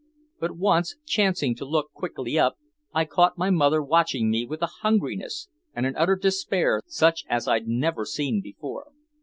But once chancing to look quickly up, I caught my mother watching me with a hungriness and an utter despair such as I'd never seen before.